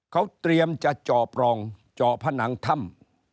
เขาเตรียมจะเจาะปรองเจาะผนังถ้ำ